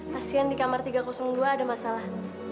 pasien di kamar tiga ratus dua ada masalah